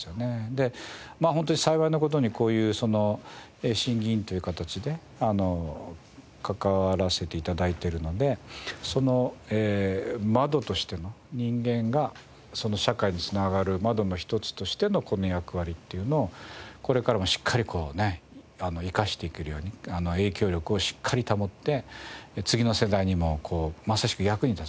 でホントに幸いな事にこういう審議員という形で関わらせて頂いてるので窓としての人間が社会に繋がる窓の一つとしてのこの役割っていうのをこれからもしっかり生かしていけるように影響力をしっかり保って次の世代にもまさしく役に立つね